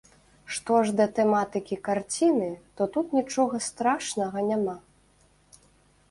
Што ж да тэматыкі карціны, то тут нічога страшнага няма.